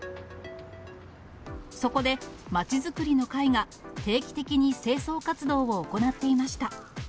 そこで、まちづくりの会が定期的に清掃活動を行っていました。